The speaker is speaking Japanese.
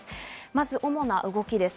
まず主な動きです。